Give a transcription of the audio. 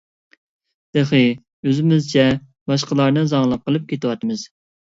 تېخى ئۆزىمىزچە باشقىلارنى زاڭلىق قىلىپ كېتىۋاتىمىز.